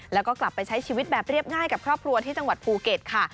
แล้วก็กลับไปใช้ชีวิตแบบเรียบง่ายกับครอบครัวที่จังหวัดภูเก็ตค่ะ